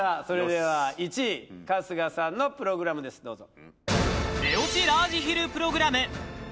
それでは１位春日さんのプログラムですどうぞ出オチラージヒルプログラム